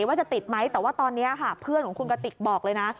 ว่าจะติดไหมแต่ว่าตอนนี้ค่ะเพื่อนของคุณกติกบอกเลยนะ